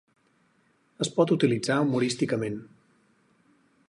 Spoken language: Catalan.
Es pot utilitzar humorísticament.